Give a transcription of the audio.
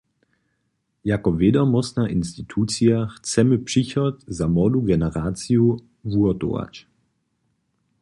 Jako wědomostna institucija chcemy přichod za młodu generaciju wuhotować.